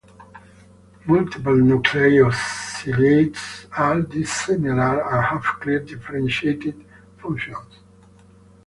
Multiple nuclei of ciliates are dissimilar and have clear differentiated functions.